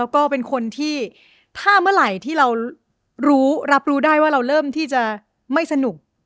แล้วก็เป็นคนที่ถ้าเมื่อไหร่ที่เรารู้รับรู้ได้ว่าเราเริ่มที่จะไม่สนุก